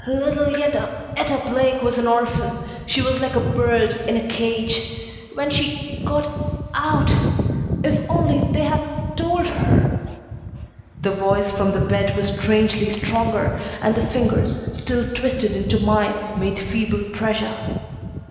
"Little Etta Etta Blake was an orphan. She was like a bird in a cage. When she got out If only they had told her " The voice from the bed was strangely stronger, and the fingers, still twisted into mine, made feeble pressure.